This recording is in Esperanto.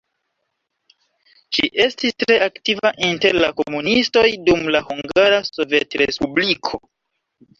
Ŝi estis tre aktiva inter la komunistoj dum la Hungara Sovetrespubliko.